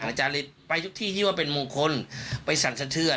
อาจารย์เลยไปทุกที่ที่ว่าเป็นมงคลไปสั่นสะเทือน